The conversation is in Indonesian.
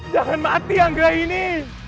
jangan mati hangre ini